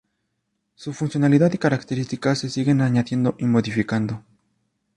Su funcionalidad y características se siguen añadiendo y modificando.